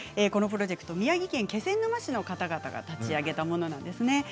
このプロジェクトは宮城県気仙沼市の方々が立ち上げたものなんですね。